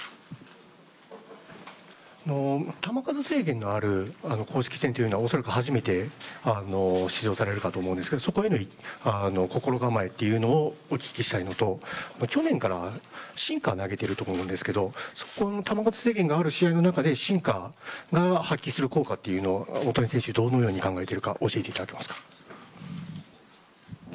球数制限がある公式戦は恐らく初めて出場されると思うんですけど、そこでの心構えというのをお聞きしたいのと去年からシンカー投げてると思うんですけど、そこの球数制限がある試合の中でシンカーが発揮する効果というのは大谷選手どのように考えているか教えていただけますか？